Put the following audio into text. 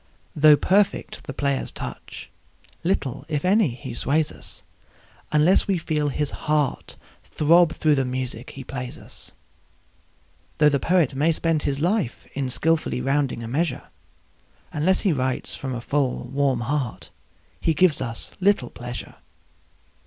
Though perfect the player's touch, little, if any, he sways us, Unless we feel his heart throb through the music he plays us. Though the poet may spend his life in skilfully rounding a measure, Unless he writes from a full, warm heart he gives us little pleasure.